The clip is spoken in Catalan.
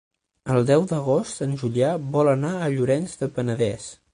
El deu d'agost en Julià vol anar a Llorenç del Penedès.